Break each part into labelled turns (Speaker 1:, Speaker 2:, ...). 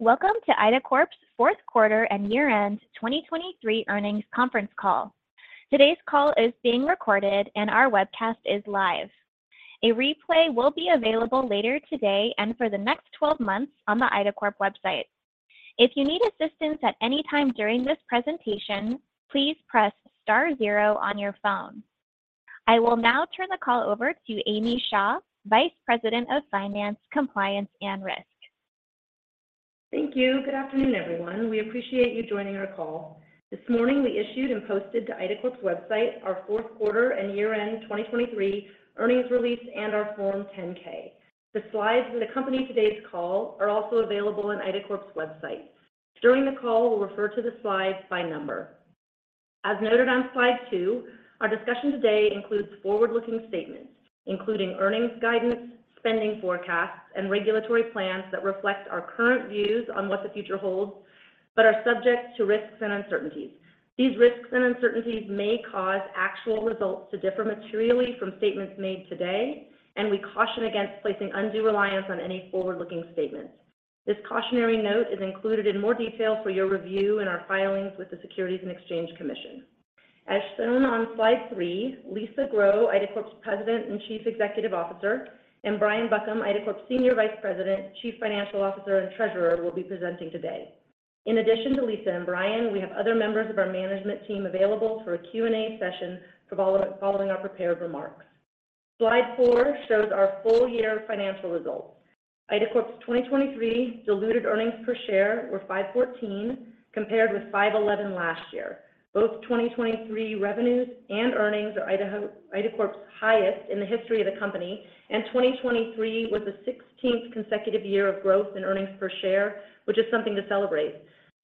Speaker 1: Welcome to IDACORP's fourth quarter and year-end 2023 earnings conference call. Today's call is being recorded, and our webcast is live. A replay will be available later today and for the next 12 months on the IDACORP website. If you need assistance at any time during this presentation, please press star zero on your phone. I will now turn the call over to Amy Shaw, Vice President of Finance, Compliance, and Risk.
Speaker 2: Thank you. Good afternoon, everyone. We appreciate you joining our call. This morning we issued and posted to IDACORP's website our fourth quarter and year-end 2023 earnings release and our Form 10-K. The slides that accompany today's call are also available on IDACORP's website. During the call, we'll refer to the slides by number. As noted on slide two, our discussion today includes forward-looking statements, including earnings guidance, spending forecasts, and regulatory plans that reflect our current views on what the future holds, but are subject to risks and uncertainties. These risks and uncertainties may cause actual results to differ materially from statements made today, and we caution against placing undue reliance on any forward-looking statements. This cautionary note is included in more detail for your review in our filings with the Securities and Exchange Commission. As shown on slide three, Lisa Grow, IDACORP's President and Chief Executive Officer, and Brian Buckham, IDACORP's Senior Vice President, Chief Financial Officer, and Treasurer, will be presenting today. In addition to Lisa and Brian, we have other members of our management team available for a Q&A session following our prepared remarks. Slide four shows our full-year financial results. IDACORP's 2023 diluted earnings per share were $5.14 compared with $5.11 last year. Both 2023 revenues and earnings are IDACORP's highest in the history of the company, and 2023 was the 16th consecutive year of growth in earnings per share, which is something to celebrate.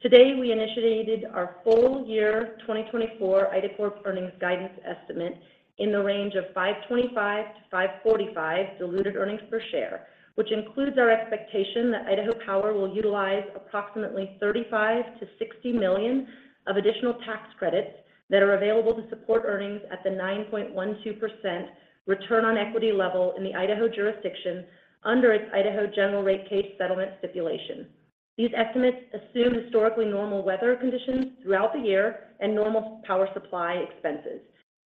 Speaker 2: Today we initiated our full-year 2024 IDACORP earnings guidance estimate in the range of $5.25-$5.45 diluted earnings per share, which includes our expectation that Idaho Power will utilize approximately $35-$60 million of additional tax credits that are available to support earnings at the 9.12% return on equity level in the Idaho jurisdiction under its Idaho General Rate Case Settlement stipulation. These estimates assume historically normal weather conditions throughout the year and normal power supply expenses.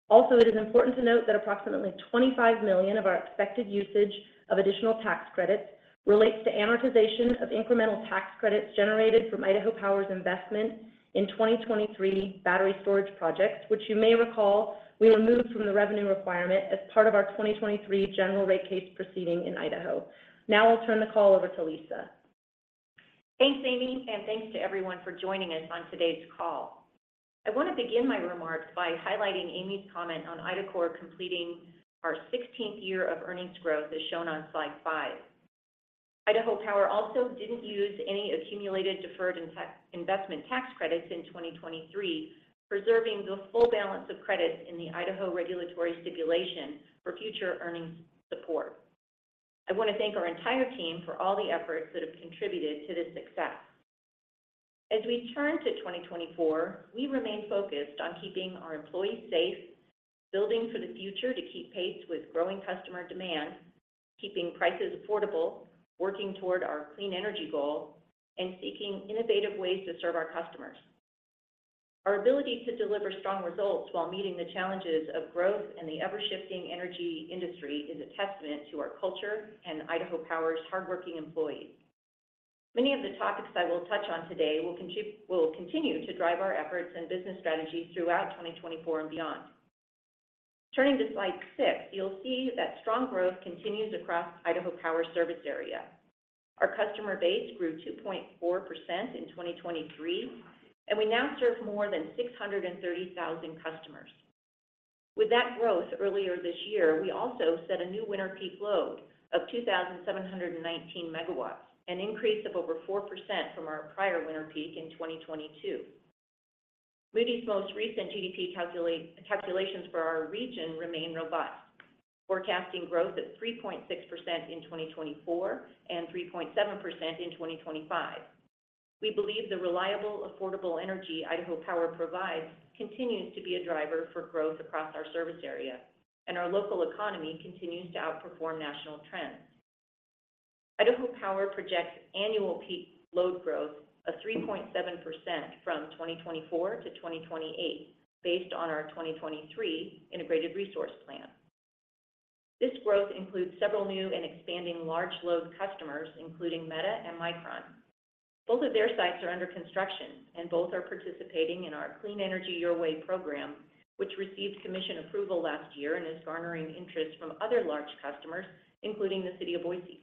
Speaker 2: Also, it is important to note that approximately $25 million of our expected usage of additional tax credits relates to amortization of incremental tax credits generated from Idaho Power's investment in 2023 battery storage projects, which you may recall we removed from the revenue requirement as part of our 2023 General Rate Case proceeding in Idaho. Now I'll turn the call over to Lisa.
Speaker 3: Thanks, Amy, and thanks to everyone for joining us on today's call. I want to begin my remarks by highlighting Amy's comment on IDACORP completing our 16th year of earnings growth as shown on slide five. Idaho Power also didn't use any accumulated deferred investment tax credits in 2023, preserving the full balance of credits in the Idaho regulatory stipulation for future earnings support. I want to thank our entire team for all the efforts that have contributed to this success. As we turn to 2024, we remain focused on keeping our employees safe, building for the future to keep pace with growing customer demand, keeping prices affordable, working toward our clean energy goal, and seeking innovative ways to serve our customers. Our ability to deliver strong results while meeting the challenges of growth and the ever-shifting energy industry is a testament to our culture and Idaho Power's hardworking employees. Many of the topics I will touch on today will continue to drive our efforts and business strategies throughout 2024 and beyond. Turning to slide six, you'll see that strong growth continues across Idaho Power's service area. Our customer base grew 2.4% in 2023, and we now serve more than 630,000 customers. With that growth earlier this year, we also set a new winter peak load of 2,719 megawatts, an increase of over 4% from our prior winter peak in 2022. Moody's most recent GDP calculations for our region remain robust, forecasting growth at 3.6% in 2024 and 3.7% in 2025. We believe the reliable, affordable energy Idaho Power provides continues to be a driver for growth across our service area, and our local economy continues to outperform national trends. Idaho Power projects annual peak load growth of 3.7% from 2024 to 2028 based on our 2023 integrated resource plan. This growth includes several new and expanding large-load customers, including Meta and Micron. Both of their sites are under construction, and both are participating in our Clean Energy Your Way program, which received commission approval last year and is garnering interest from other large customers, including the City of Boise.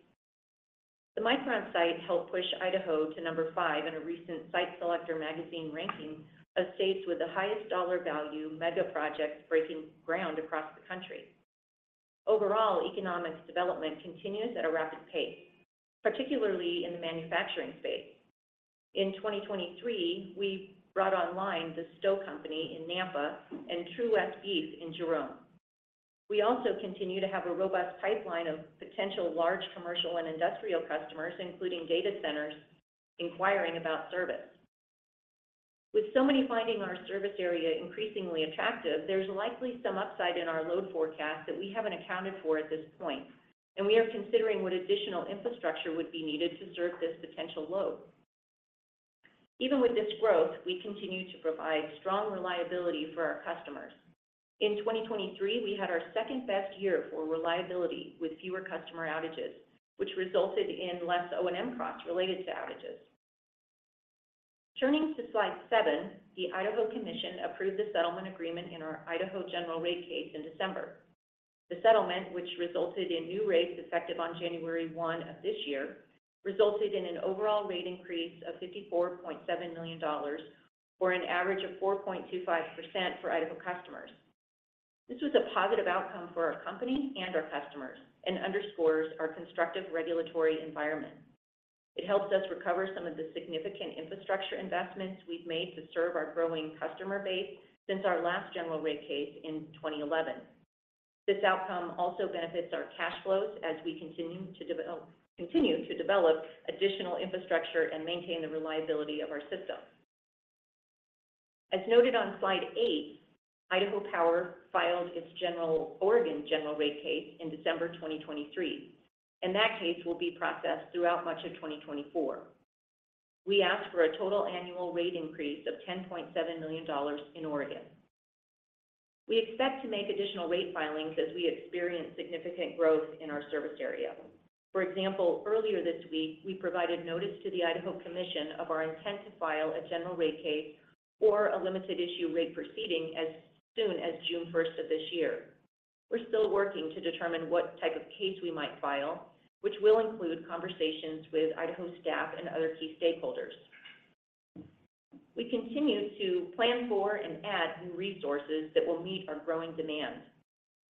Speaker 3: The Micron site helped push Idaho to number five in a recent Site Selector magazine ranking of states with the highest dollar value mega projects breaking ground across the country. Overall, economic development continues at a rapid pace, particularly in the manufacturing space. In 2023, we brought online the Stow Company in Nampa and True West Beef in Jerome. We also continue to have a robust pipeline of potential large commercial and industrial customers, including data centers, inquiring about service. With so many finding our service area increasingly attractive, there's likely some upside in our load forecast that we haven't accounted for at this point, and we are considering what additional infrastructure would be needed to serve this potential load. Even with this growth, we continue to provide strong reliability for our customers. In 2023, we had our second best year for reliability with fewer customer outages, which resulted in less O&M costs related to outages. Turning to slide seven, the Idaho Commission approved the settlement agreement in our Idaho General Rate Case in December. The settlement, which resulted in new rates effective on January 1 of this year, resulted in an overall rate increase of $54.7 million or an average of 4.25% for Idaho customers. This was a positive outcome for our company and our customers and underscores our constructive regulatory environment. It helps us recover some of the significant infrastructure investments we've made to serve our growing customer base since our last General Rate Case in 2011. This outcome also benefits our cash flows as we continue to develop additional infrastructure and maintain the reliability of our system. As noted on slide eight, Idaho Power filed its Oregon General Rate Case in December 2023, and that case will be processed throughout much of 2024. We ask for a total annual rate increase of $10.7 million in Oregon. We expect to make additional rate filings as we experience significant growth in our service area. For example, earlier this week, we provided notice to the Idaho Commission of our intent to file a General Rate Case or a limited issue rate proceeding as soon as June 1st of this year. We're still working to determine what type of case we might file, which will include conversations with Idaho staff and other key stakeholders. We continue to plan for and add new resources that will meet our growing demand.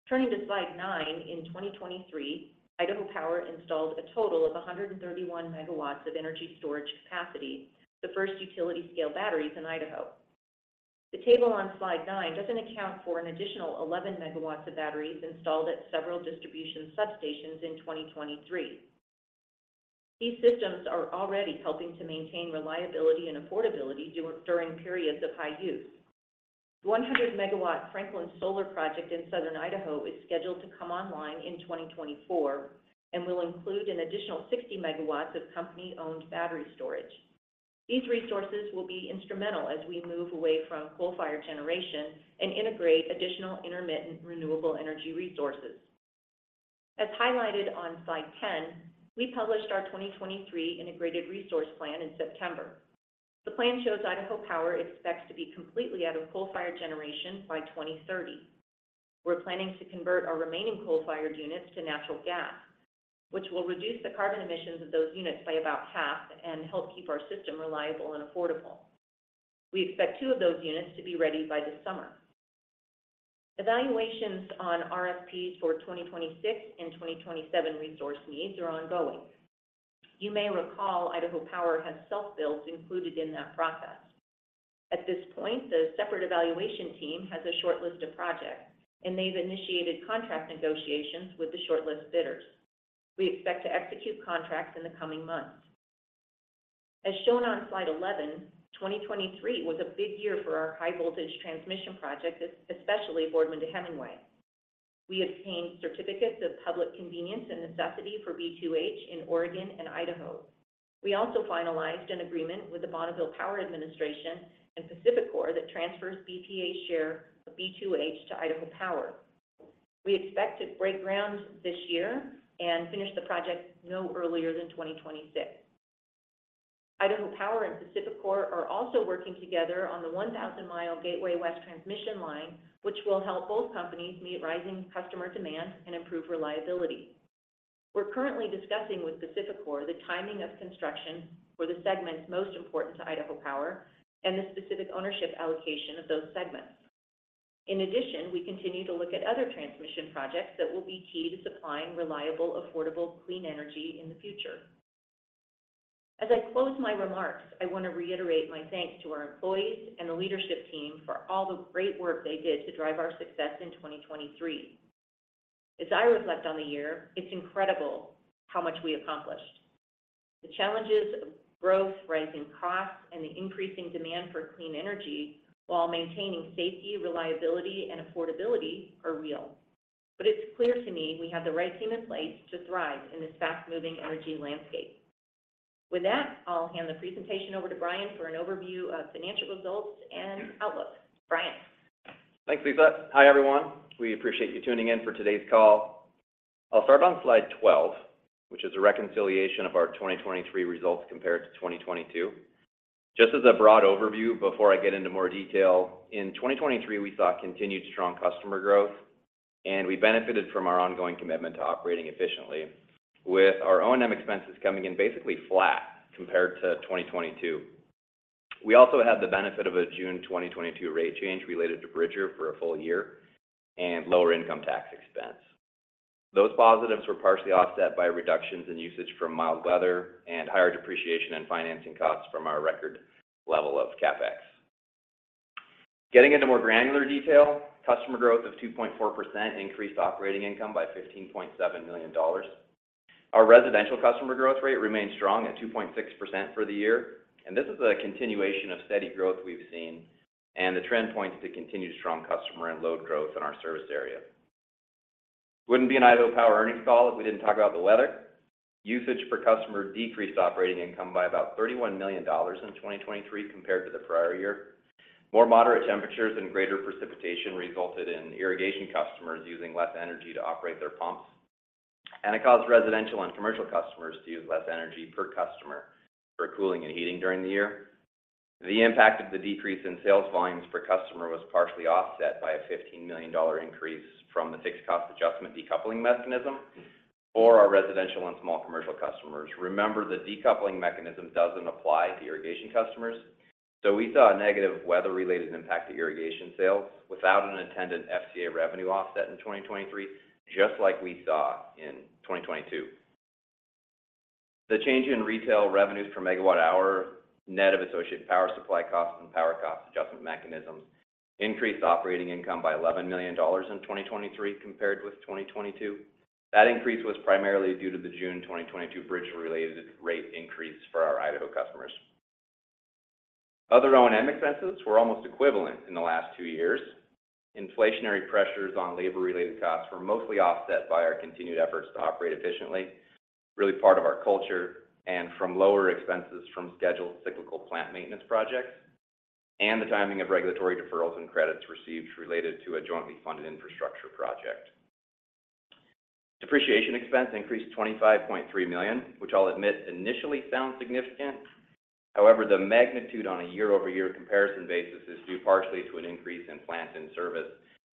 Speaker 3: Turning to slide nine, in 2023, Idaho Power installed a total of 131 MW of energy storage capacity, the first utility-scale batteries in Idaho. The table on slide nine doesn't account for an additional 11 MW of batteries installed at several distribution substations in 2023. These systems are already helping to maintain reliability and affordability during periods of high use. The 100-MW Franklin Solar project in Southern Idaho is scheduled to come online in 2024 and will include an additional 60 MW of company-owned battery storage. These resources will be instrumental as we move away from coal-fired generation and integrate additional intermittent renewable energy resources. As highlighted on slide 10, we published our 2023 integrated resource plan in September. The plan shows Idaho Power expects to be completely out of coal-fired generation by 2030. We're planning to convert our remaining coal-fired units to natural gas, which will reduce the carbon emissions of those units by about half and help keep our system reliable and affordable. We expect two of those units to be ready by the summer. Evaluations on RFPs for 2026 and 2027 resource needs are ongoing. You may recall Idaho Power has self-builds included in that process. At this point, the separate evaluation team has a shortlist of projects, and they've initiated contract negotiations with the shortlist bidders. We expect to execute contracts in the coming months. As shown on slide 11, 2023 was a big year for our high-voltage transmission project, especially Boardman to Hemingway. We obtained certificates of public convenience and necessity for B2H in Oregon and Idaho. We also finalized an agreement with the Bonneville Power Administration and PacifiCorp that transfers BPA share of B2H to Idaho Power. We expect to break ground this year and finish the project no earlier than 2026. Idaho Power and PacifiCorp are also working together on the 1,000-mile Gateway West transmission line, which will help both companies meet rising customer demand and improve reliability. We're currently discussing with PacifiCorp the timing of construction for the segments most important to Idaho Power and the specific ownership allocation of those segments. In addition, we continue to look at other transmission projects that will be key to supplying reliable, affordable clean energy in the future. As I close my remarks, I want to reiterate my thanks to our employees and the leadership team for all the great work they did to drive our success in 2023. As I reflect on the year, it's incredible how much we accomplished. The challenges of growth, rising costs, and the increasing demand for clean energy while maintaining safety, reliability, and affordability are real. But it's clear to me we have the right team in place to thrive in this fast-moving energy landscape. With that, I'll hand the presentation over to Brian for an overview of financial results and outlook. Brian.
Speaker 4: Thanks, Lisa. Hi, everyone. We appreciate you tuning in for today's call. I'll start on slide 12, which is a reconciliation of our 2023 results compared to 2022. Just as a broad overview before I get into more detail, in 2023, we saw continued strong customer growth, and we benefited from our ongoing commitment to operating efficiently, with our O&M expenses coming in basically flat compared to 2022. We also had the benefit of a June 2022 rate change related to Bridger for a full year and lower income tax expense. Those positives were partially offset by reductions in usage from mild weather and higher depreciation and financing costs from our record level of CapEx. Getting into more granular detail, customer growth of 2.4% increased operating income by $15.7 million. Our residential customer growth rate remained strong at 2.6% for the year, and this is a continuation of steady growth we've seen, and the trend points to continued strong customer and load growth in our service area. It wouldn't be an Idaho Power earnings call if we didn't talk about the weather. Usage per customer decreased operating income by about $31 million in 2023 compared to the prior year. More moderate temperatures and greater precipitation resulted in irrigation customers using less energy to operate their pumps, and it caused residential and commercial customers to use less energy per customer for cooling and heating during the year. The impact of the decrease in sales volumes per customer was partially offset by a $15 million increase from the fixed cost adjustment decoupling mechanism for our residential and small commercial customers. Remember, the decoupling mechanism doesn't apply to irrigation customers. So we saw a negative weather-related impact to irrigation sales without an attendant FCA revenue offset in 2023, just like we saw in 2022. The change in retail revenues per megawatt-hour net of associated power supply costs and power cost adjustment mechanisms increased operating income by $11 million in 2023 compared with 2022. That increase was primarily due to the June 2022 Bridger-related rate increase for our Idaho customers. Other O&M expenses were almost equivalent in the last two years. Inflationary pressures on labor-related costs were mostly offset by our continued efforts to operate efficiently, really part of our culture, and from lower expenses from scheduled cyclical plant maintenance projects and the timing of regulatory deferrals and credits received related to a jointly funded infrastructure project. Depreciation expense increased $25.3 million, which I'll admit initially sounds significant. However, the magnitude on a year-over-year comparison basis is due partially to an increase in plants in service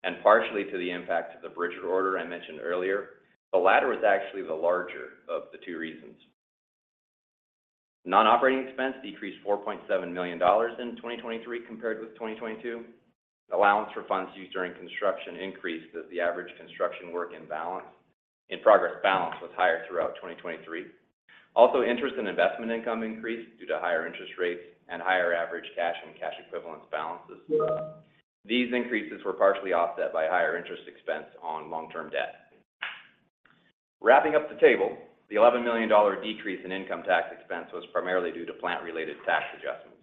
Speaker 4: and partially to the impact of the Bridger order I mentioned earlier. The latter is actually the larger of the two reasons. Non-operating expense decreased $4.7 million in 2023 compared with 2022. Allowance for funds used during construction increased as the average construction work in progress balance was higher throughout 2023. Also, interest and investment income increased due to higher interest rates and higher average cash and cash equivalents balances. These increases were partially offset by higher interest expense on long-term debt. Wrapping up the table, the $11 million decrease in income tax expense was primarily due to plant-related tax adjustments.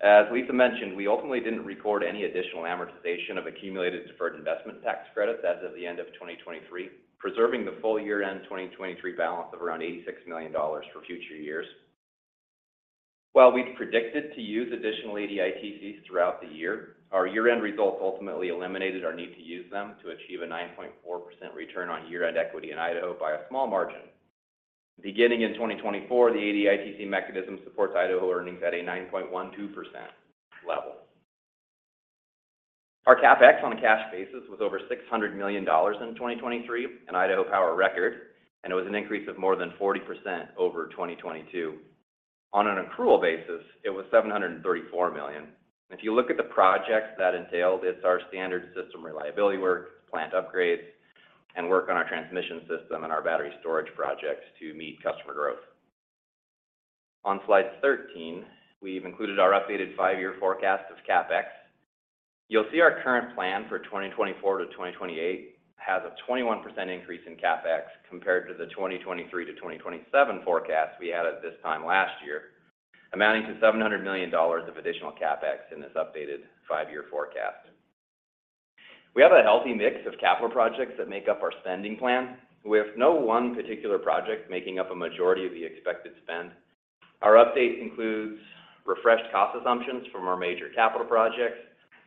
Speaker 4: As Lisa mentioned, we ultimately didn't record any additional amortization of accumulated deferred investment tax credits as of the end of 2023, preserving the full year-end 2023 balance of around $86 million for future years. While we'd predicted to use additional ADITCs throughout the year, our year-end results ultimately eliminated our need to use them to achieve a 9.4% return on year-end equity in Idaho by a small margin. Beginning in 2024, the ADITC mechanism supports Idaho earnings at a 9.12% level. Our CapEx on a cash basis was over $600 million in 2023, an Idaho Power record, and it was an increase of more than 40% over 2022. On an accrual basis, it was $734 million. If you look at the projects that entailed, it's our standard system reliability work, plant upgrades, and work on our transmission system and our battery storage projects to meet customer growth. On slide 13, we've included our updated five-year forecast of CapEx. You'll see our current plan for 2024 to 2028 has a 21% increase in CapEx compared to the 2023 to 2027 forecast we had at this time last year, amounting to $700 million of additional CapEx in this updated five-year forecast. We have a healthy mix of capital projects that make up our spending plan, with no one particular project making up a majority of the expected spend. Our update includes refreshed cost assumptions from our major capital projects.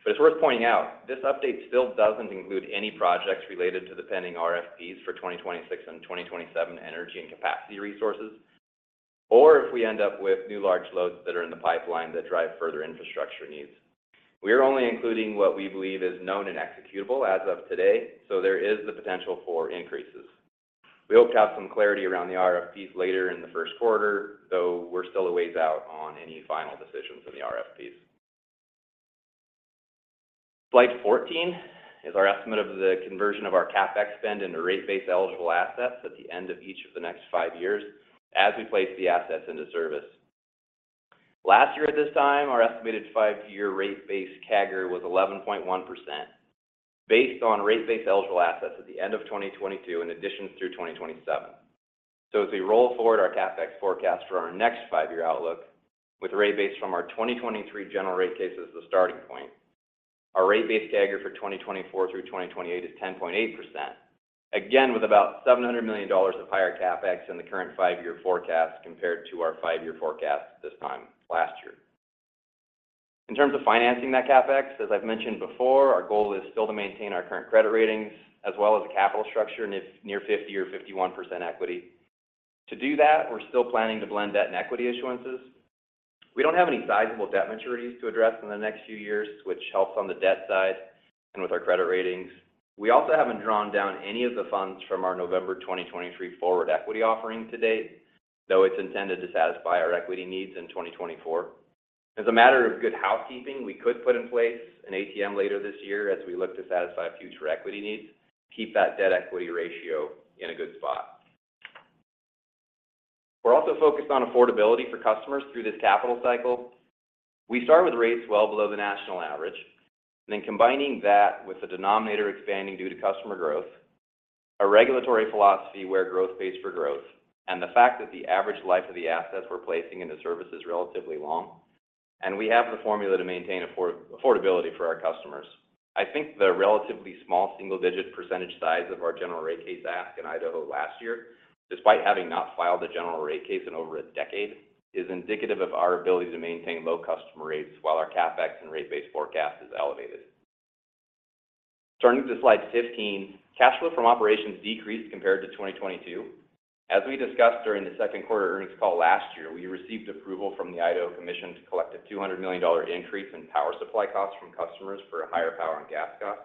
Speaker 4: It's worth pointing out, this update still doesn't include any projects related to the pending RFPs for 2026 and 2027 energy and capacity resources or if we end up with new large loads that are in the pipeline that drive further infrastructure needs. We are only including what we believe is known and executable as of today, so there is the potential for increases. We hope to have some clarity around the RFPs later in the first quarter, though we're still a ways out on any final decisions in the RFPs. Slide 14 is our estimate of the conversion of our CapEx spend into rate-base eligible assets at the end of each of the next five years as we place the assets into service. Last year at this time, our estimated five-year rate-base CAGR was 11.1% based on rate-base eligible assets at the end of 2022 in addition through 2027. So as we roll forward our CapEx forecast for our next five-year outlook, with rate-base from our 2023 general rate case as the starting point, our rate-base CAGR for 2024 through 2028 is 10.8%, again with about $700 million of higher CapEx in the current five-year forecast compared to our five-year forecast this time last year. In terms of financing that CapEx, as I've mentioned before, our goal is still to maintain our current credit ratings as well as a capital structure near 50%-51% equity. To do that, we're still planning to blend debt and equity issuances. We don't have any sizable debt maturities to address in the next few years, which helps on the debt side and with our credit ratings. We also haven't drawn down any of the funds from our November 2023 forward equity offering to date, though it's intended to satisfy our equity needs in 2024. As a matter of good housekeeping, we could put in place an ATM later this year as we look to satisfy future equity needs, keep that debt equity ratio in a good spot. We're also focused on affordability for customers through this capital cycle. We start with rates well below the national average, and then combining that with the denominator expanding due to customer growth, a regulatory philosophy where growth pays for growth, and the fact that the average life of the assets we're placing into service is relatively long, and we have the formula to maintain affordability for our customers. I think the relatively small single-digit percentage size of our general rate case ask in Idaho last year, despite having not filed a general rate case in over a decade, is indicative of our ability to maintain low customer rates while our CapEx and rate-base forecast is elevated. Turning to slide 15, cash flow from operations decreased compared to 2022. As we discussed during the second quarter earnings call last year, we received approval from the Idaho Commission to collect a $200 million increase in power supply costs from customers for higher power and gas costs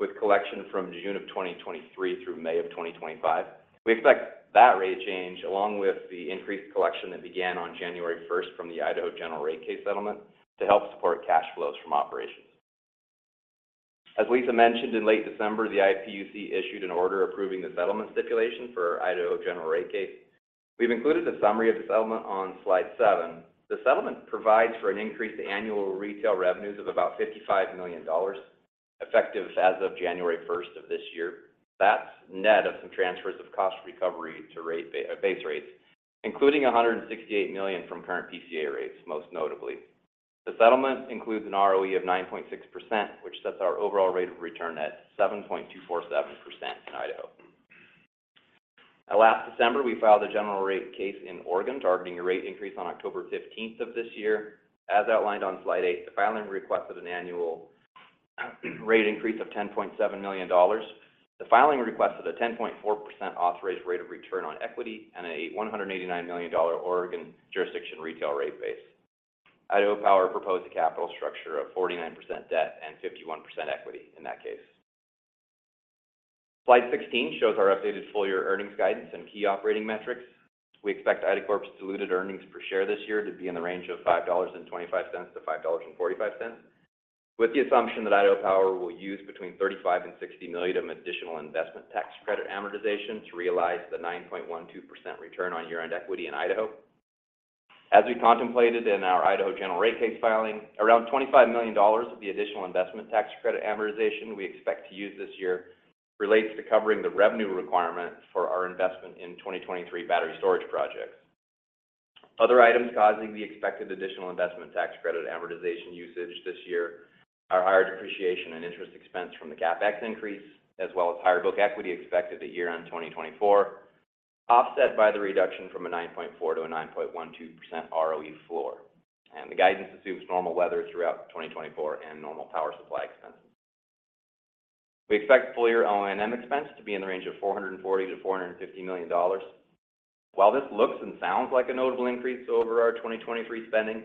Speaker 4: with collection from June of 2023 through May of 2025. We expect that rate change along with the increased collection that began on January 1st from the Idaho general rate case settlement to help support cash flows from operations. As Lisa mentioned in late December, the IPUC issued an order approving the settlement stipulation for Idaho General Rate Case. We've included a summary of the settlement on slide 7. The settlement provides for an increase to annual retail revenues of about $55 million effective as of January 1st of this year. That's net of some transfers of cost recovery to base rates, including $168 million from current PCA rates, most notably. The settlement includes an ROE of 9.6%, which sets our overall rate of return at 7.247% in Idaho. Last December, we filed a General Rate Case in Oregon targeting a rate increase on October 15th of this year. As outlined on slide 8, the filing requested an annual rate increase of $10.7 million. The filing requested a 10.4% authorized rate of return on equity and a $189 million Oregon jurisdiction retail rate base. Idaho Power proposed a capital structure of 49% debt and 51% equity in that case. Slide 16 shows our updated full-year earnings guidance and key operating metrics. We expect IDACORP's diluted earnings per share this year to be in the range of $5.25-$5.45, with the assumption that Idaho Power will use between $35 million and $60 million of additional investment tax credit amortization to realize the 9.12% return on year-end equity in Idaho. As we contemplated in our Idaho general rate case filing, around $25 million of the additional investment tax credit amortization we expect to use this year relates to covering the revenue requirement for our investment in 2023 battery storage projects. Other items causing the expected additional investment tax credit amortization usage this year are higher depreciation and interest expense from the CapEx increase, as well as higher book equity expected to year-end 2024, offset by the reduction from a 9.4% to a 9.12% ROE floor, and the guidance assumes normal weather throughout 2024 and normal power supply expenses. We expect full-year O&M expense to be in the range of $440-$450 million. While this looks and sounds like a notable increase over our 2023 spending,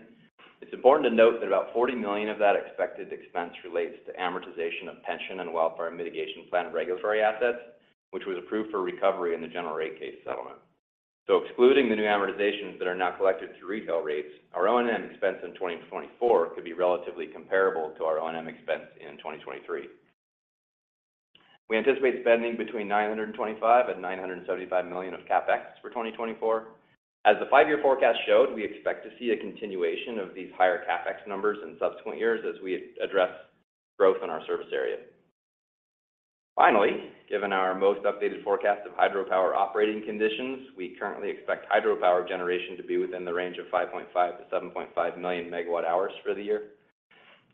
Speaker 4: it's important to note that about $40 million of that expected expense relates to amortization of pension and welfare mitigation plan regulatory assets, which was approved for recovery in the general rate case settlement. So excluding the new amortizations that are now collected through retail rates, our O&M expense in 2024 could be relatively comparable to our O&M expense in 2023. We anticipate spending between $925-$975 million of CapEx for 2024. As the five-year forecast showed, we expect to see a continuation of these higher CapEx numbers in subsequent years as we address growth in our service area. Finally, given our most updated forecast of hydropower operating conditions, we currently expect hydropower generation to be within the range of 5.5-7.5 million megawatt-hours for the year.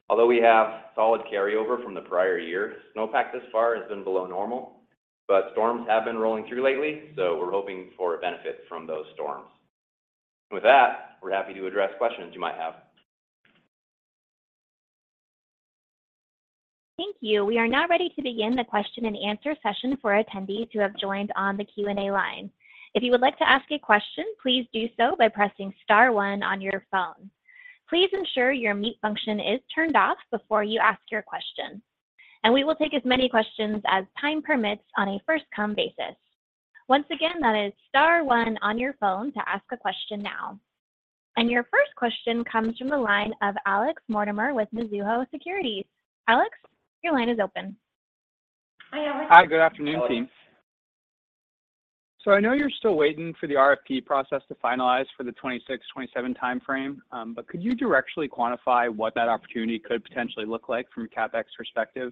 Speaker 4: Although we have solid carryover from the prior year, snowpack thus far has been below normal, but storms have been rolling through lately, so we're hoping for a benefit from those storms. With that, we're happy to address questions you might have.
Speaker 1: Thank you. We are now ready to begin the question-and-answer session for attendees who have joined on the Q&A line. If you would like to ask a question, please do so by pressing star one on your phone. Please ensure your mute function is turned off before you ask your question. We will take as many questions as time permits on a first-come basis. Once again, that is star one on your phone to ask a question now. Your first question comes from the line of Alex Mortimer with Mizuho Securities. Alex, your line is open.
Speaker 2: Hi, Alex.
Speaker 5: Hi, good afternoon, team. So I know you're still waiting for the RFP process to finalize for the 2026, 2027 time frame, but could you directly quantify what that opportunity could potentially look like from a CapEx perspective,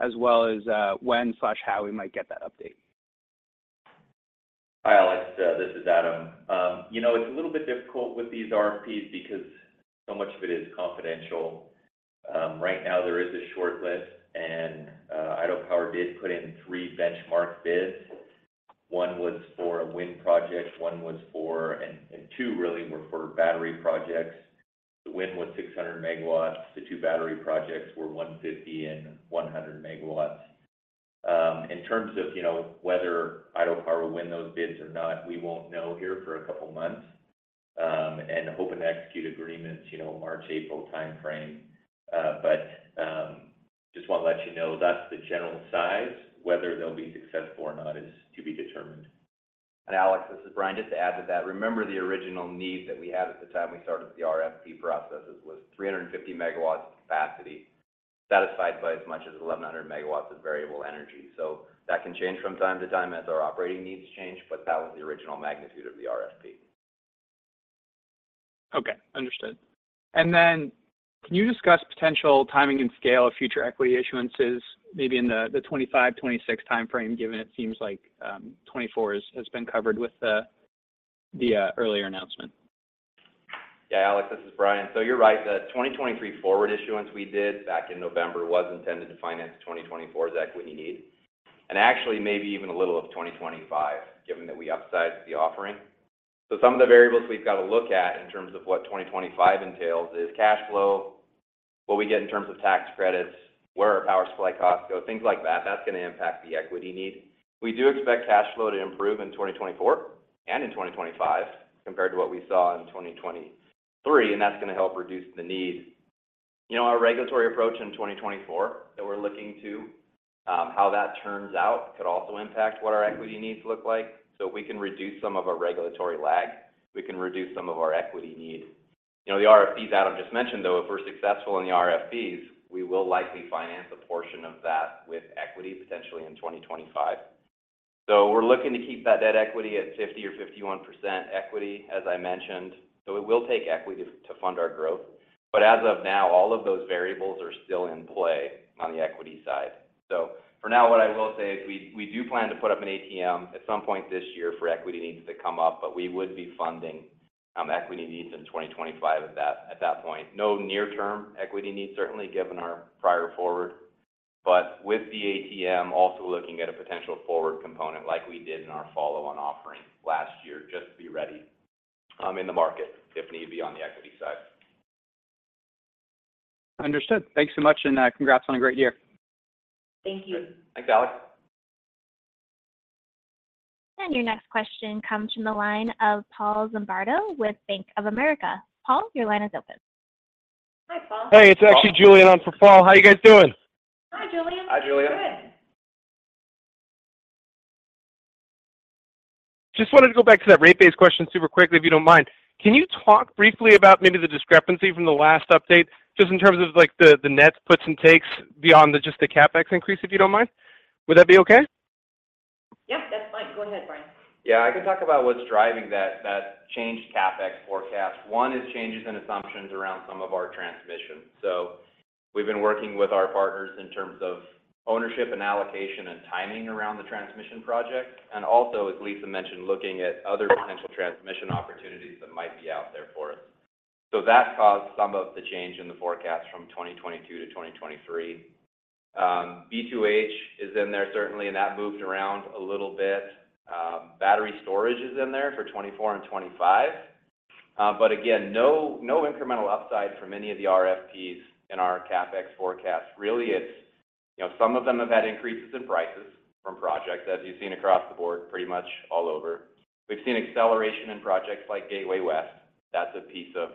Speaker 5: as well as when/how we might get that update?
Speaker 6: Hi, Alex. This is Adam. It's a little bit difficult with these RFPs because so much of it is confidential. Right now, there is a short list, and Idaho Power did put in three benchmark bids. One was for a wind project, one was for and two really were for battery projects. The wind was 600 MW. The two battery projects were 150 and 100 MW. In terms of whether Idaho Power will win those bids or not, we won't know here for a couple of months and hope to execute agreements March, April time frame. But just want to let you know that's the general size. Whether they'll be successful or not is to be determined.
Speaker 4: Alex, this is Brian just to add to that. Remember, the original need that we had at the time we started the RFP processes was 350 megawatts capacity, satisfied by as much as 1,100 megawatts of variable energy. That can change from time to time as our operating needs change, but that was the original magnitude of the RFP.
Speaker 5: Okay, understood. And then can you discuss potential timing and scale of future equity issuances, maybe in the 2025, 2026 time frame, given it seems like 2024 has been covered with the earlier announcement?
Speaker 4: Yeah, Alex, this is Brian. So you're right. The 2023 forward issuance we did back in November was intended to finance 2024's equity need and actually maybe even a little of 2025, given that we upsized the offering. So some of the variables we've got to look at in terms of what 2025 entails is cash flow, what we get in terms of tax credits, where our power supply costs go, things like that. That's going to impact the equity need. We do expect cash flow to improve in 2024 and in 2025 compared to what we saw in 2023, and that's going to help reduce the need. Our regulatory approach in 2024 that we're looking to, how that turns out could also impact what our equity needs look like so we can reduce some of our regulatory lag. We can reduce some of our equity need. The RFPs Adam just mentioned, though, if we're successful in the RFPs, we will likely finance a portion of that with equity, potentially in 2025. So we're looking to keep that debt equity at 50 or 51% equity, as I mentioned. So it will take equity to fund our growth. But as of now, all of those variables are still in play on the equity side. So for now, what I will say is we do plan to put up an ATM at some point this year for equity needs that come up, but we would be funding equity needs in 2025 at that point. No near-term equity need, certainly, given our prior forward. But with the ATM, also looking at a potential forward component like we did in our follow-on offering last year, just to be ready in the market if need be on the equity side.
Speaker 5: Understood. Thanks so much, and congrats on a great year.
Speaker 3: Thank you.
Speaker 4: Thanks, Alex.
Speaker 1: Your next question comes from the line of Paul Zimbardo with Bank of America. Paul, your line is open.
Speaker 3: Hi, Paul. Hey, it's actually Julien on for Paul. How are you guys doing? Hi, Julien.
Speaker 4: Hi, Julien.
Speaker 7: Good. Just wanted to go back to that rate-base question super quickly, if you don't mind. Can you talk briefly about maybe the discrepancy from the last update, just in terms of the net puts and takes beyond just the CapEx increase, if you don't mind? Would that be okay?
Speaker 3: Yep, that's fine. Go ahead, Brian.
Speaker 4: Yeah, I could talk about what's driving that changed CapEx forecast. One is changes in assumptions around some of our transmission. So we've been working with our partners in terms of ownership and allocation and timing around the transmission project. And also, as Lisa mentioned, looking at other potential transmission opportunities that might be out there for us. So that caused some of the change in the forecast from 2022 to 2023. B2H is in there, certainly, and that moved around a little bit. Battery storage is in there for 2024 and 2025. But again, no incremental upside for many of the RFPs in our CapEx forecast. Really, some of them have had increases in prices from projects, as you've seen across the board, pretty much all over. We've seen acceleration in projects like Gateway West. That's a piece of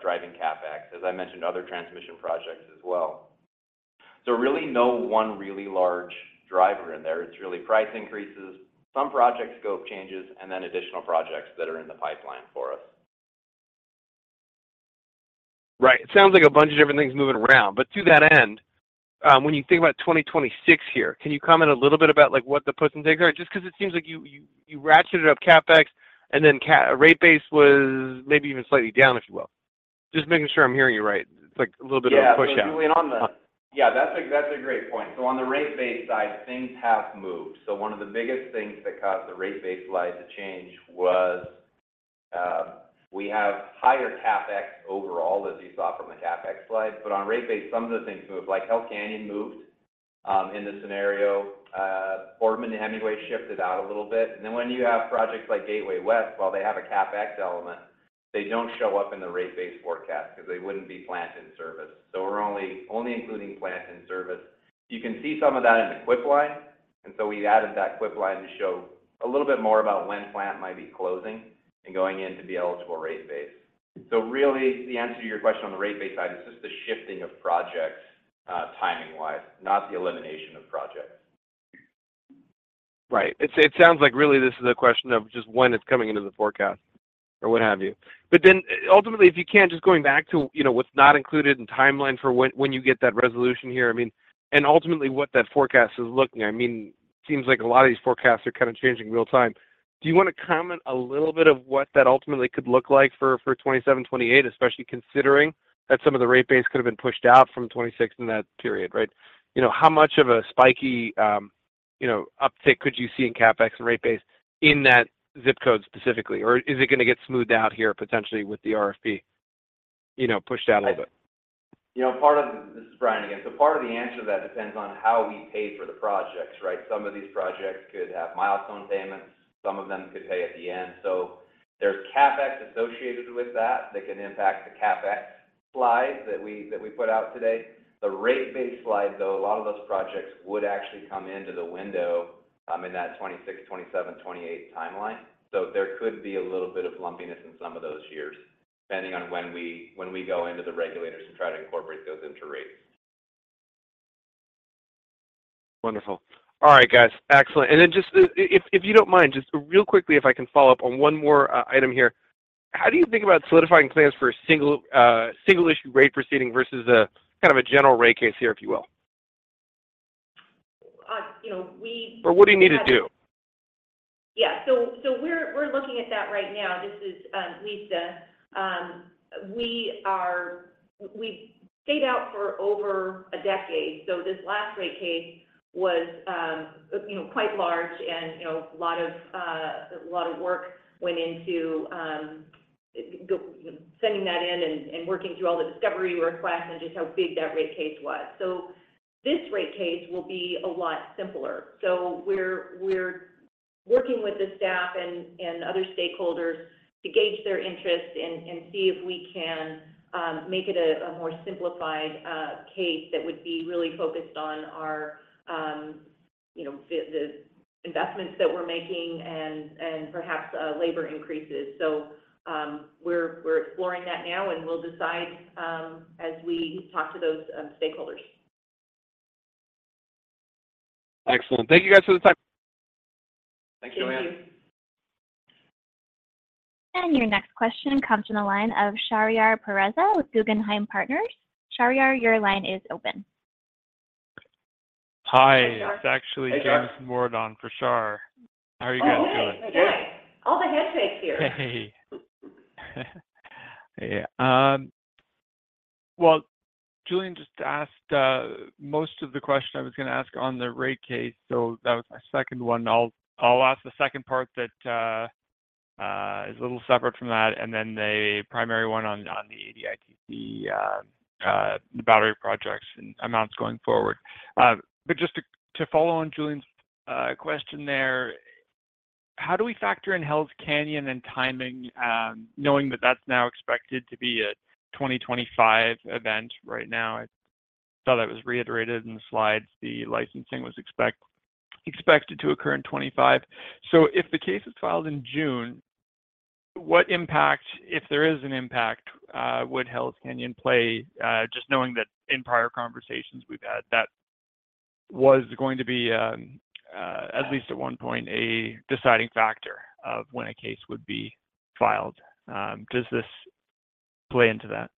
Speaker 4: driving CapEx. As I mentioned, other transmission projects as well. Really, no one really large driver in there. It's really price increases, some project scope changes, and then additional projects that are in the pipeline for us.
Speaker 7: Right. It sounds like a bunch of different things moving around. But to that end, when you think about 2026 here, can you comment a little bit about what the puts and takes are? Just because it seems like you ratcheted up CapEx, and then rate base was maybe even slightly down, if you will. Just making sure I'm hearing you right. It's like a little bit of a pushout.
Speaker 4: Yeah, Julien, on the yeah, that's a great point. So on the rate base side, things have moved. So one of the biggest things that caused the rate base slide to change was we have higher CapEx overall, as you saw from the CapEx slide. But on rate base, some of the things moved. Like Hells Canyon moved in this scenario. Boardman and Hemingway shifted out a little bit. And then when you have projects like Gateway West, while they have a CapEx element, they don't show up in the rate base forecast because they wouldn't be plant in service. So we're only including plant in service. You can see some of that in the CWIP line. And so we added that CWIP line to show a little bit more about when plant might be closing and going in to be eligible rate base. Really, the answer to your question on the rate base side, it's just the shifting of projects timing-wise, not the elimination of projects.
Speaker 7: Right. It sounds like really this is a question of just when it's coming into the forecast or what have you. But then ultimately, if you can't, just going back to what's not included in timeline for when you get that resolution here, I mean, and ultimately what that forecast is looking I mean, it seems like a lot of these forecasts are kind of changing real time. Do you want to comment a little bit of what that ultimately could look like for 2027, 2028, especially considering that some of the rate base could have been pushed out from 2026 in that period, right? How much of a spiky uptick could you see in CapEx and rate base in that zip code specifically? Or is it going to get smoothed out here, potentially, with the RFP pushed out a little bit?
Speaker 4: Part of this is Brian again. So part of the answer to that depends on how we pay for the projects, right? Some of these projects could have milestone payments. Some of them could pay at the end. So there's CapEx associated with that that can impact the CapEx slide that we put out today. The rate base slide, though, a lot of those projects would actually come into the window in that 2026, 2027, 2028 timeline. So there could be a little bit of lumpiness in some of those years, depending on when we go into the regulators and try to incorporate those into rates.
Speaker 7: Wonderful. All right, guys. Excellent. Then just if you don't mind, just real quickly, if I can follow up on one more item here, how do you think about solidifying plans for a single-issue rate proceeding versus kind of a general rate case here, if you will?
Speaker 3: We.
Speaker 7: Or what do you need to do?
Speaker 3: Yeah. So we're looking at that right now. This is Lisa. We've stayed out for over a decade. So this last rate case was quite large, and a lot of work went into sending that in and working through all the discovery requests and just how big that rate case was. So this rate case will be a lot simpler. So we're working with the staff and other stakeholders to gauge their interests and see if we can make it a more simplified case that would be really focused on the investments that we're making and perhaps labor increases. So we're exploring that now, and we'll decide as we talk to those stakeholders.
Speaker 7: Excellent. Thank you guys for the time.
Speaker 4: Thank you, Amy.
Speaker 3: Thank you.
Speaker 1: Your next question comes from the line of Shahriar Pourreza with Guggenheim Partners. Shahriar, your line is open.
Speaker 8: Hi. It's actually James Ma for Shar. How are you guys doing?
Speaker 3: All the handshakes here.
Speaker 8: Hey. Well, Julien just asked most of the question I was going to ask on the rate case. So that was my second one. I'll ask the second part that is a little separate from that, and then the primary one on the ADITC, the battery projects, and amounts going forward. But just to follow on Julien's question there, how do we factor in Hells Canyon and timing, knowing that that's now expected to be a 2025 event right now? I saw that was reiterated in the slides. The licensing was expected to occur in 2025. So if the case is filed in June, what impact, if there is an impact, would Hells Canyon play, just knowing that in prior conversations we've had, that was going to be, at least at one point, a deciding factor of when a case would be filed? Does this play into that?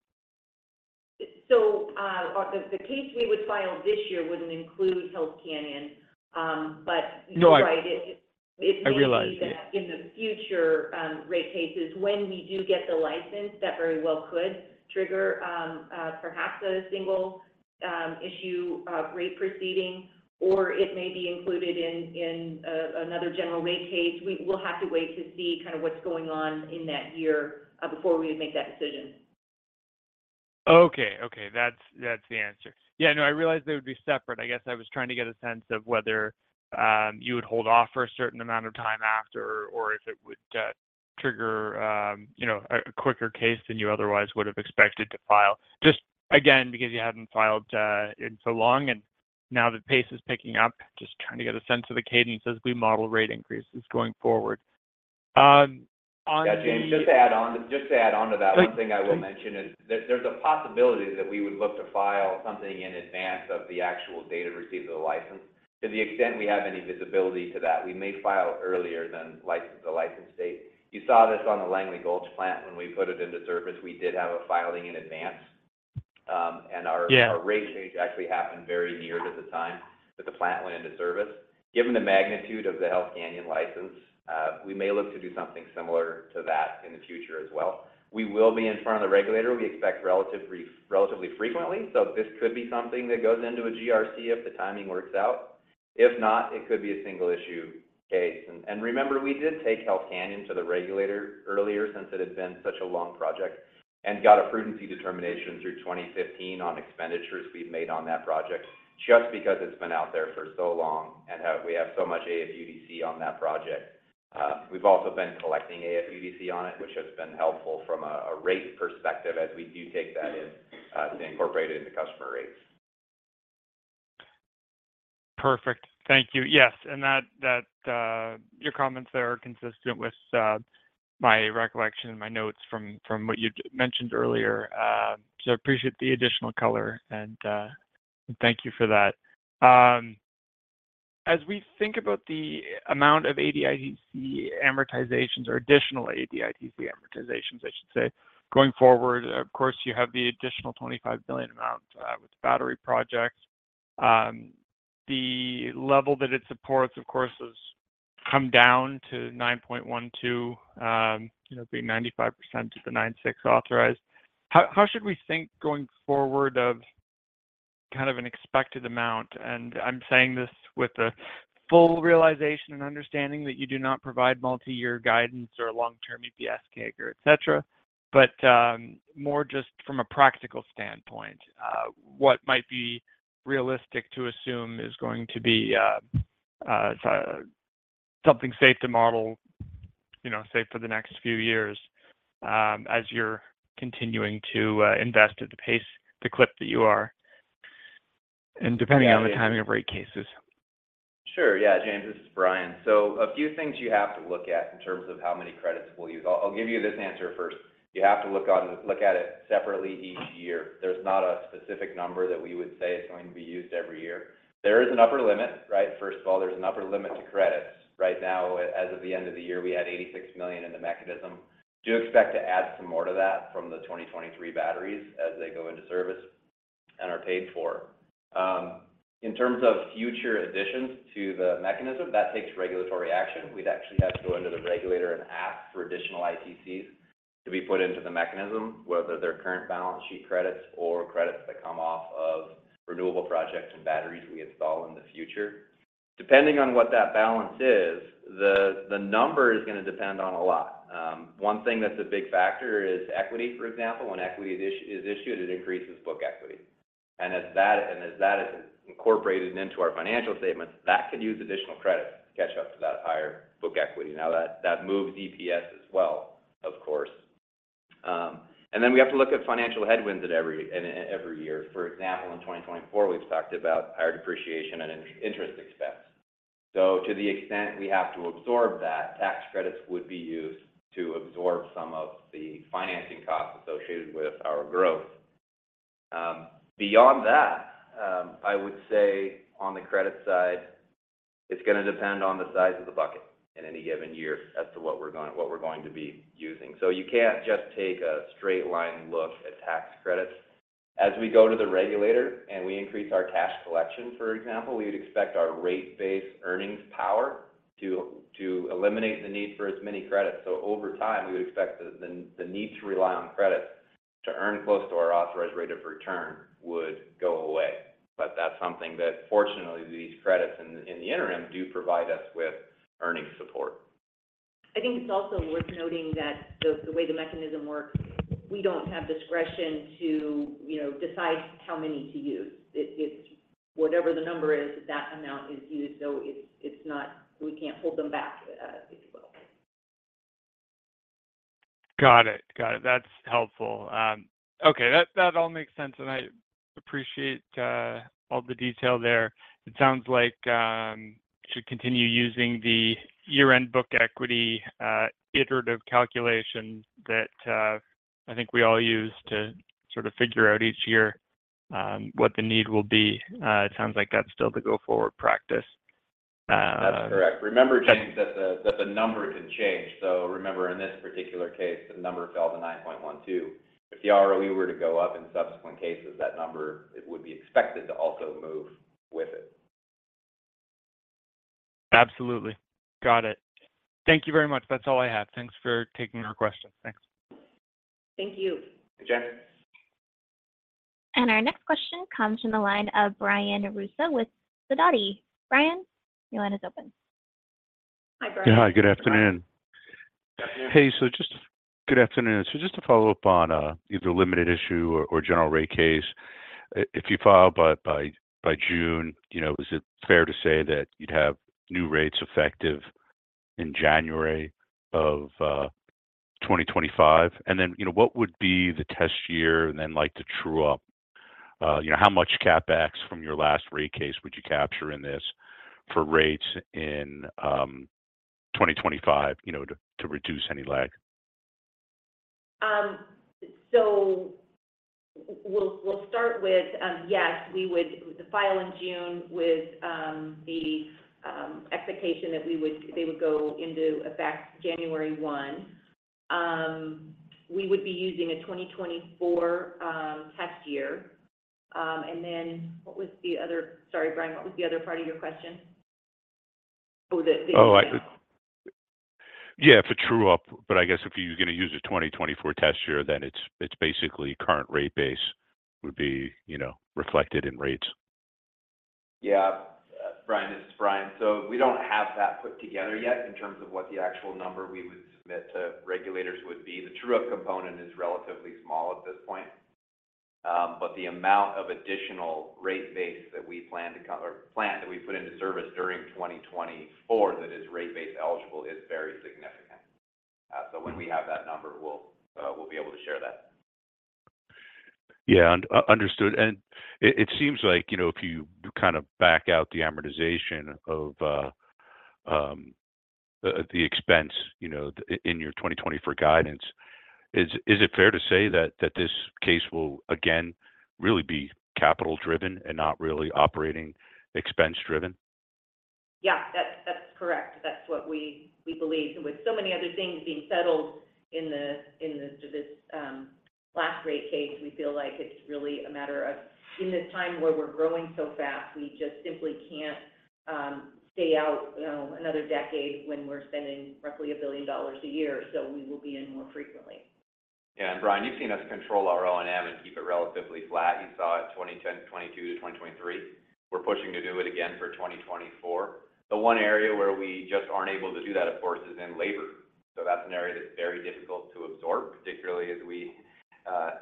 Speaker 3: So the case we would file this year wouldn't include Hells Canyon. But you're right. It may be that in the future rate cases, when we do get the license, that very well could trigger perhaps a single-issue rate proceeding. Or it may be included in another general rate case. We'll have to wait to see kind of what's going on in that year before we would make that decision.
Speaker 9: Okay, okay. That's the answer. Yeah, no, I realized they would be separate. I guess I was trying to get a sense of whether you would hold off for a certain amount of time after or if it would trigger a quicker case than you otherwise would have expected to file. Just again, because you hadn't filed in so long, and now the pace is picking up, just trying to get a sense of the cadence as we model rate increases going forward.
Speaker 6: Yeah, James, just to add on to that, one thing I will mention is there's a possibility that we would look to file something in advance of the actual date of receipt of the license. To the extent we have any visibility to that, we may file earlier than the license date. You saw this on the Langley Gulch plant. When we put it into service, we did have a filing in advance. And our rate change actually happened very near to the time that the plant went into service. Given the magnitude of the Hells Canyon license, we may look to do something similar to that in the future as well. We will be in front of the regulator. We expect relatively frequently. So this could be something that goes into a GRC if the timing works out. If not, it could be a single-issue case. Remember, we did take Hells Canyon to the regulator earlier since it had been such a long project and got a prudency determination through 2015 on expenditures we've made on that project just because it's been out there for so long and we have so much AFUDC on that project. We've also been collecting AFUDC on it, which has been helpful from a rate perspective as we do take that in to incorporate it into customer rates.
Speaker 8: Perfect. Thank you. Yes. And your comments there are consistent with my recollection and my notes from what you mentioned earlier. So I appreciate the additional color, and thank you for that. As we think about the amount of ADITC amortizations or additional ADITC amortizations, I should say, going forward, of course, you have the additional $25 billion amount with the battery projects. The level that it supports, of course, has come down to 9.12, being 95% to the 9.6 authorized. How should we think going forward of kind of an expected amount? I'm saying this with the full realization and understanding that you do not provide multi-year guidance or long-term EPS CAGR, etc., but more just from a practical standpoint, what might be realistic to assume is going to be something safe to model, safe for the next few years as you're continuing to invest at the pace, the clip that you are, and depending on the timing of rate cases.
Speaker 4: Sure. Yeah, James, this is Brian. So a few things you have to look at in terms of how many credits we'll use. I'll give you this answer first. You have to look at it separately each year. There's not a specific number that we would say is going to be used every year. There is an upper limit, right? First of all, there's an upper limit to credits. Right now, as of the end of the year, we had $86 million in the mechanism. Do expect to add some more to that from the 2023 batteries as they go into service and are paid for. In terms of future additions to the mechanism, that takes regulatory action. We'd actually have to go into the regulator and ask for additional ITCs to be put into the mechanism, whether they're current balance sheet credits or credits that come off of renewable projects and batteries we install in the future. Depending on what that balance is, the number is going to depend on a lot. One thing that's a big factor is equity. For example, when equity is issued, it increases book equity. And as that is incorporated into our financial statements, that could use additional credits to catch up to that higher book equity. Now, that moves EPS as well, of course. And then we have to look at financial headwinds every year. For example, in 2024, we've talked about higher depreciation and interest expense. So to the extent we have to absorb that, tax credits would be used to absorb some of the financing costs associated with our growth. Beyond that, I would say on the credit side, it's going to depend on the size of the bucket in any given year as to what we're going to be using. So you can't just take a straight-line look at tax credits. As we go to the regulator and we increase our cash collection, for example, we would expect our rate-base earnings power to eliminate the need for as many credits. So over time, we would expect the need to rely on credits to earn close to our authorized rate of return would go away. But that's something that, fortunately, these credits in the interim do provide us with earnings support.
Speaker 3: I think it's also worth noting that the way the mechanism works, we don't have discretion to decide how many to use. Whatever the number is, that amount is used. So we can't hold them back, if you will.
Speaker 8: Got it. Got it. That's helpful. Okay. That all makes sense. And I appreciate all the detail there. It sounds like we should continue using the year-end book equity iterative calculation that I think we all use to sort of figure out each year what the need will be. It sounds like that's still the go-forward practice.
Speaker 4: That's correct. Remember, James, that the number can change. So remember, in this particular case, the number fell to 9.12. If the ROE were to go up in subsequent cases, that number, it would be expected to also move with it.
Speaker 8: Absolutely. Got it. Thank you very much. That's all I have. Thanks for taking our questions. Thanks.
Speaker 3: Thank you.
Speaker 4: Thanks, James.
Speaker 1: Our next question comes from the line of Brian Russo with Sidoti. Brian, your line is open.
Speaker 3: Hi, Brian.
Speaker 10: Yeah. Good afternoon.
Speaker 3: Good afternoon.
Speaker 10: Hey. So just good afternoon. So just to follow up on either a limited issue or general rate case, if you filed by June, was it fair to say that you'd have new rates effective in January of 2025? And then what would be the test year and then the true-up? How much CapEx from your last rate case would you capture in this for rates in 2025 to reduce any lag?
Speaker 3: So we'll start with, yes, we would file in June with the expectation that they would go into effect January 1. We would be using a 2024 test year. And then what was the other, sorry, Brian, what was the other part of your question? Oh, the.
Speaker 10: Oh, yeah, for true-up. I guess if you're going to use a 2024 test year, then it's basically current rate base would be reflected in rates.
Speaker 4: Yeah. Brian, this is Brian. So we don't have that put together yet in terms of what the actual number we would submit to regulators would be. The true-up component is relatively small at this point. But the amount of additional rate base that we plan to or plant that we put into service during 2024 that is rate-base eligible is very significant. So when we have that number, we'll be able to share that.
Speaker 10: Yeah. Understood. And it seems like if you kind of back out the amortization of the expense in your 2024 guidance, is it fair to say that this case will, again, really be capital-driven and not really operating expense-driven?
Speaker 3: Yeah, that's correct. That's what we believe. With so many other things being settled in this last rate case, we feel like it's really a matter of in this time where we're growing so fast, we just simply can't stay out another decade when we're spending roughly $1 billion a year. We will be in more frequently.
Speaker 4: Yeah. And Brian, you've seen us control our O&M and keep it relatively flat. You saw it 2022 to 2023. We're pushing to do it again for 2024. The one area where we just aren't able to do that, of course, is in labor. So that's an area that's very difficult to absorb, particularly as we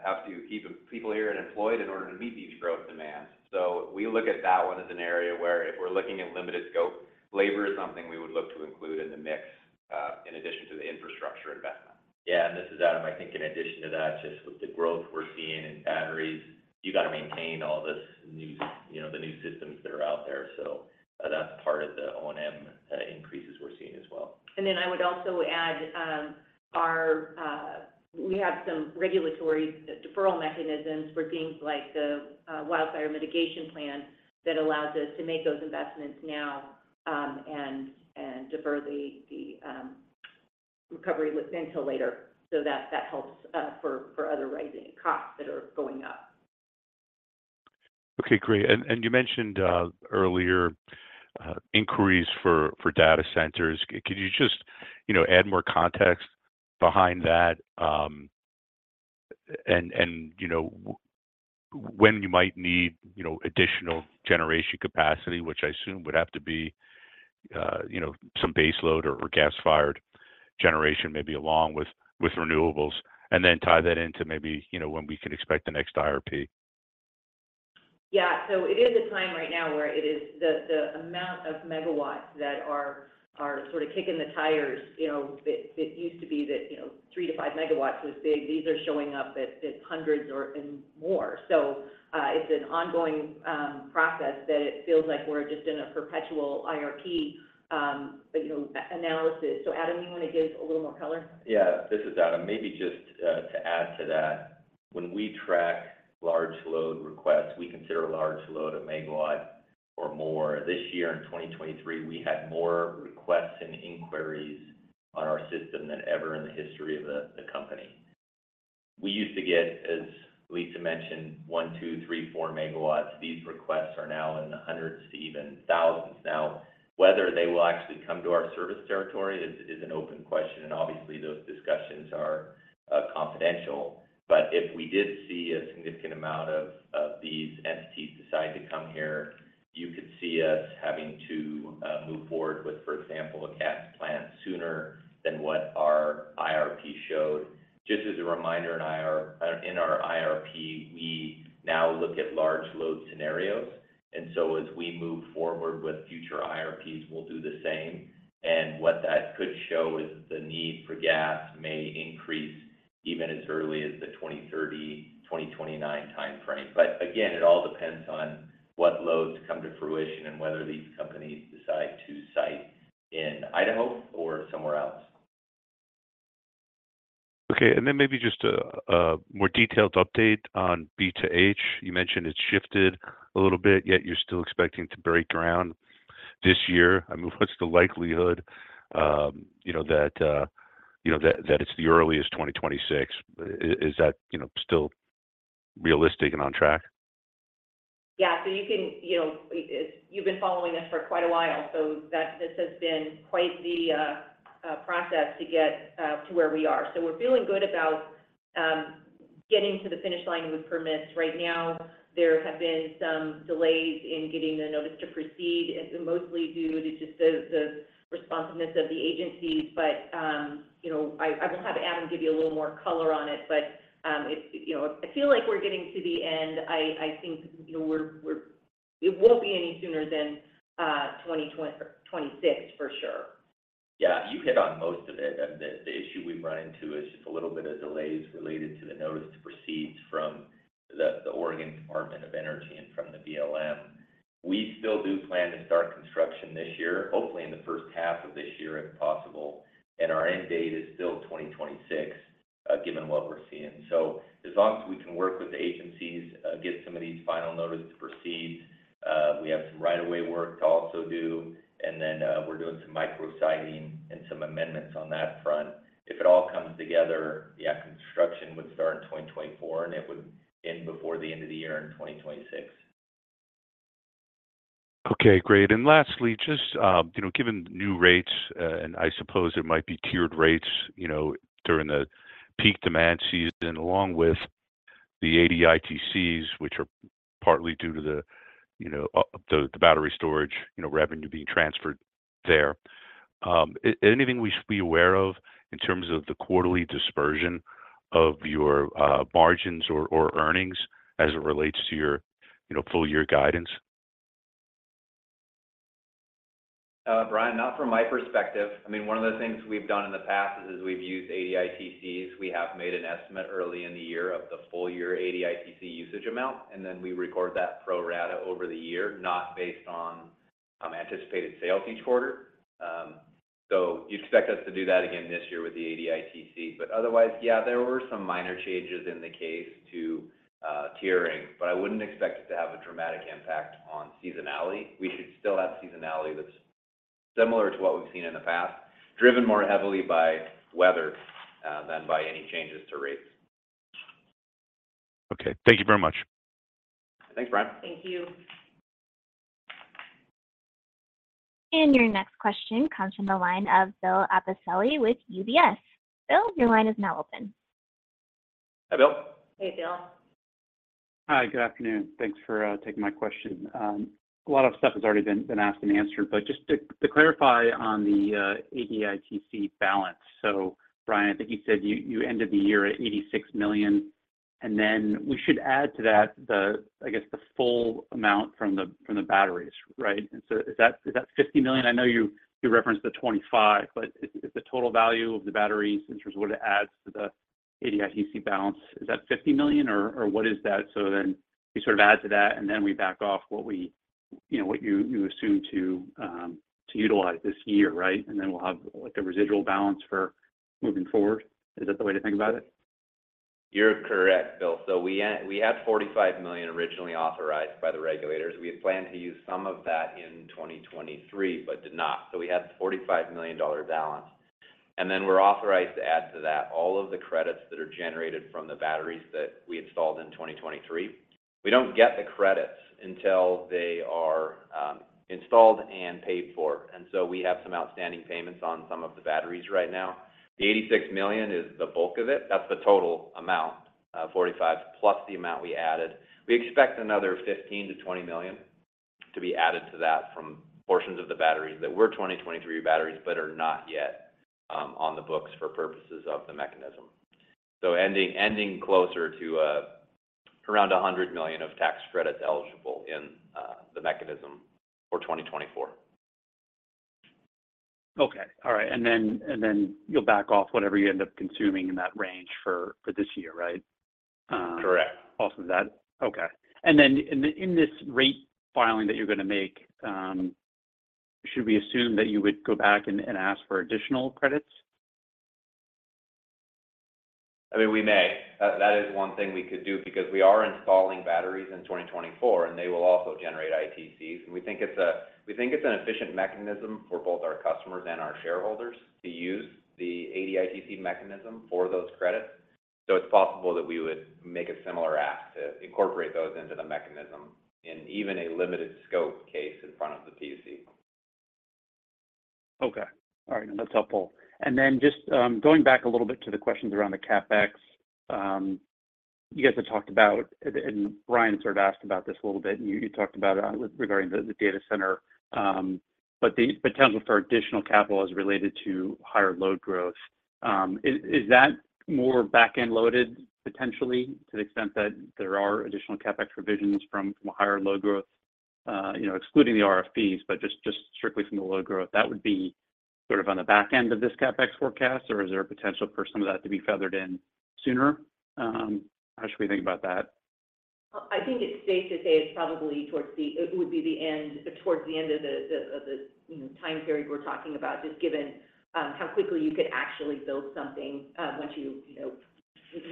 Speaker 4: have to keep people here and employed in order to meet these growth demands. So we look at that one as an area where if we're looking at limited scope, labor is something we would look to include in the mix in addition to the infrastructure investment. Yeah. And this is Adam. I think in addition to that, just with the growth we're seeing in batteries, you got to maintain all the new systems that are out there. So that's part of the O&M increases we're seeing as well.
Speaker 3: Then I would also add we have some regulatory deferral mechanisms for things like the wildfire mitigation plan that allows us to make those investments now and defer the recovery until later. That helps for other rising costs that are going up.
Speaker 10: Okay. Great. You mentioned earlier inquiries for data centers. Could you just add more context behind that and when you might need additional generation capacity, which I assume would have to be some baseload or gas-fired generation, maybe along with renewables, and then tie that into maybe when we can expect the next IRP?
Speaker 3: Yeah. So it is a time right now where it is the amount of megawatts that are sort of kicking the tires. It used to be that 3-5 megawatts was big. These are showing up at hundreds and more. So it's an ongoing process that it feels like we're just in a perpetual IRP analysis. So Adam, you want to give a little more color?
Speaker 6: Yeah. This is Adam. Maybe just to add to that, when we track large load requests, we consider large load a megawatt or more. This year in 2023, we had more requests and inquiries on our system than ever in the history of the company. We used to get, as Lisa mentioned, 1, 2, 3, 4 megawatts. These requests are now in the hundreds to even thousands now. Whether they will actually come to our service territory is an open question. And obviously, those discussions are confidential. But if we did see a significant amount of these entities decide to come here, you could see us having to move forward with, for example, a gas plant sooner than what our IRP showed. Just as a reminder, in our IRP, we now look at large load scenarios. And so as we move forward with future IRPs, we'll do the same. What that could show is the need for gas may increase even as early as the 2030-2029 timeframe. Again, it all depends on what loads come to fruition and whether these companies decide to site in Idaho or somewhere else.
Speaker 10: Okay. And then maybe just a more detailed update on B2H. You mentioned it's shifted a little bit, yet you're still expecting to break ground this year. I mean, what's the likelihood that it's the earliest 2026? Is that still realistic and on track?
Speaker 3: Yeah. So you've been following us for quite a while. So this has been quite the process to get to where we are. So we're feeling good about getting to the finish line with permits. Right now, there have been some delays in getting the notice to proceed, mostly due to just the responsiveness of the agencies. But I will have Adam give you a little more color on it. But I feel like we're getting to the end. I think it won't be any sooner than 2026 for sure.
Speaker 4: Yeah. You hit on most of it. The issue we've run into is just a little bit of delays related to the notice to proceed from the Oregon Department of Energy and from the BLM. We still do plan to start construction this year, hopefully in the first half of this year if possible. And our end date is still 2026 given what we're seeing. So as long as we can work with the agencies, get some of these final notices to proceed, we have some right-of-way work to also do. And then we're doing some micro-siting and some amendments on that front. If it all comes together, yeah, construction would start in 2024, and it would end before the end of the year in 2026.
Speaker 10: Okay. Great. And lastly, just given new rates, and I suppose it might be tiered rates during the peak demand season along with the ADITCs, which are partly due to the battery storage revenue being transferred there. Anything we should be aware of in terms of the quarterly dispersion of your margins or earnings as it relates to your full-year guidance?
Speaker 6: Brian, not from my perspective. I mean, one of the things we've done in the past is we've used ADITCs. We have made an estimate early in the year of the full-year ADITCs usage amount. And then we record that pro rata over the year, not based on anticipated sales each quarter. So you'd expect us to do that again this year with the ADITC. But otherwise, yeah, there were some minor changes in the case to tiering. But I wouldn't expect it to have a dramatic impact on seasonality. We should still have seasonality that's similar to what we've seen in the past, driven more heavily by weather than by any changes to rates.
Speaker 10: Okay. Thank you very much.
Speaker 4: Thanks, Brian.
Speaker 3: Thank you.
Speaker 1: Your next question comes from the line of Bill Appicelli with UBS. Bill, your line is now open.
Speaker 4: Hi, Bill.
Speaker 3: Hey, Bill.
Speaker 11: Hi. Good afternoon. Thanks for taking my question. A lot of stuff has already been asked and answered. But just to clarify on the $80 million ITC balance. So Brian, I think you said you ended the year at $86 million. And then we should add to that, I guess, the full amount from the batteries, right? And so is that $50 million? I know you referenced the $25 million, but is the total value of the batteries in terms of what it adds to the $80 million ITC balance, is that $50 million, or what is that? So then we sort of add to that, and then we back off what you assume to utilize this year, right? And then we'll have a residual balance for moving forward. Is that the way to think about it?
Speaker 4: You're correct, Bill. So we had $45 million originally authorized by the regulators. We had planned to use some of that in 2023 but did not. So we had the $45 million balance. And then we're authorized to add to that all of the credits that are generated from the batteries that we installed in 2023. We don't get the credits until they are installed and paid for. And so we have some outstanding payments on some of the batteries right now. The $86 million is the bulk of it. That's the total amount, $45 million plus the amount we added. We expect another $15 million-$20 million to be added to that from portions of the batteries that were 2023 batteries but are not yet on the books for purposes of the mechanism. So ending closer to around $100 million of tax credits eligible in the mechanism for 2024.
Speaker 11: Okay. All right. And then you'll back off whatever you end up consuming in that range for this year, right?
Speaker 4: Correct.
Speaker 11: Off of that? Okay. And then in this rate filing that you're going to make, should we assume that you would go back and ask for additional credits?
Speaker 4: I mean, we may. That is one thing we could do because we are installing batteries in 2024, and they will also generate ITCs. And we think it's an efficient mechanism for both our customers and our shareholders to use the ADITC mechanism for those credits. So it's possible that we would make a similar ask to incorporate those into the mechanism in even a limited scope case in front of the PUC.
Speaker 11: Okay. All right. That's helpful. And then just going back a little bit to the questions around the CapEx, you guys had talked about and Brian had sort of asked about this a little bit, and you talked about it regarding the data center. But potential for additional capital is related to higher load growth. Is that more back-end loaded potentially to the extent that there are additional CapEx provisions from higher load growth, excluding the RFPs, but just strictly from the load growth? That would be sort of on the back end of this CapEx forecast, or is there a potential for some of that to be feathered in sooner? How should we think about that?
Speaker 3: I think it's safe to say it's probably towards the end of the time period we're talking about, just given how quickly you could actually build something once you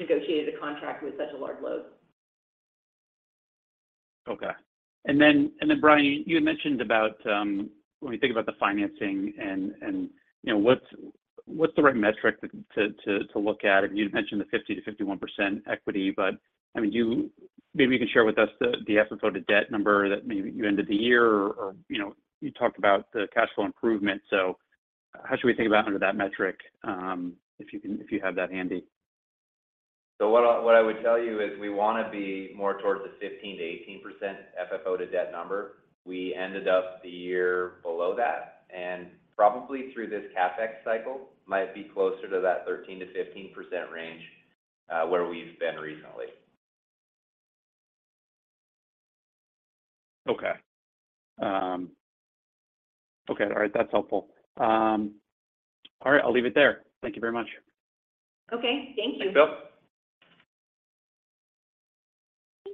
Speaker 3: negotiated a contract with such a large load.
Speaker 11: Okay. And then, Brian, you had mentioned about when we think about the financing and what's the right metric to look at? And you had mentioned the 50%-51% equity. But I mean, maybe you can share with us the FFO to debt number that maybe you ended the year, or you talked about the cash flow improvement. So how should we think about under that metric if you have that handy?
Speaker 4: So what I would tell you is we want to be more towards the 15%-18% FFO to debt number. We ended up the year below that. And probably through this CapEx cycle, might be closer to that 13%-15% range where we've been recently.
Speaker 11: Okay. Okay. All right. That's helpful. All right. I'll leave it there. Thank you very much. Okay. Thank you.
Speaker 4: Thanks, Bill.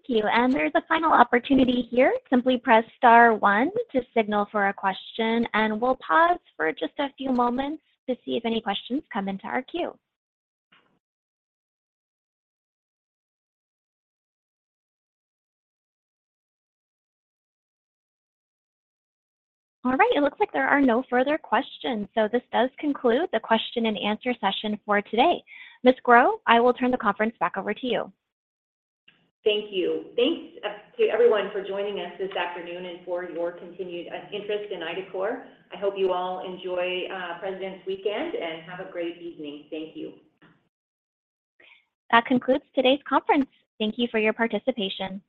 Speaker 1: Thank you. There's a final opportunity here. Simply press star one to signal for a question. We'll pause for just a few moments to see if any questions come into our queue. All right. It looks like there are no further questions. This does conclude the question-and-answer session for today. Ms. Grow, I will turn the conference back over to you.
Speaker 3: Thank you. Thanks to everyone for joining us this afternoon and for your continued interest in IDACORP. I hope you all enjoy Presidents' weekend and have a great evening. Thank you.
Speaker 1: That concludes today's conference. Thank you for your participation.